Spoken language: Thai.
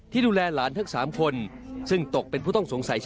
ที่ดูแลนี่